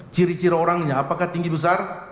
ciri ciri orangnya apakah tinggi besar